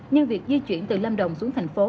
nhưng việc di chuyển từ lâm đồng xuống thành phố